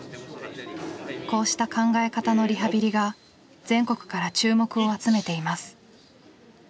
こうした考え方のリハビリが全国から注目を集めています。